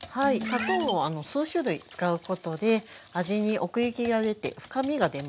砂糖を数種類使うことで味に奥行きが出て深みが出ます。